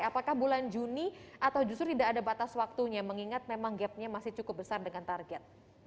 apakah bulan juni atau justru tidak ada batas waktunya mengingat memang gapnya masih cukup besar dengan target